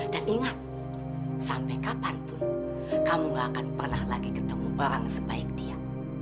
dan ingat sampai kapanpun kamu nggak akan pernah lagi ketemu orang sebaik dia